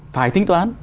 phải tính toán